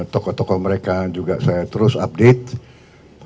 tokoh tokoh mereka juga saya terus update